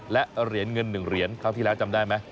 และเหรียญเงิน๑เหรียญครั้งที่แล้วจำได้ไหม